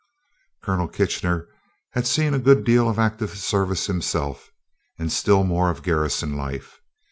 Colonel Kitchener had seen a good deal of active service himself, and still more of garrison life.